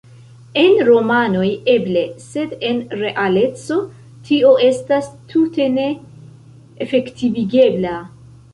En romanoj, eble; sed en realeco, tio estas tute ne efektivigebla.